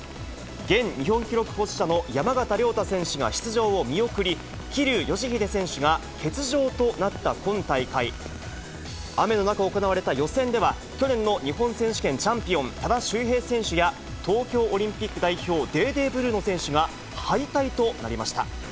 現日本記録保持者の山縣亮太選手が出場を見送り、桐生祥秀選手が欠場となった今大会、雨の中行われた予選では、去年の日本選手権チャンピオン、多田修平選手や東京オリンピック代表、デーデー・ブルーノ選手が、敗退となりました。